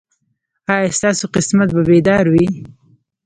ایا ستاسو قسمت به بیدار وي؟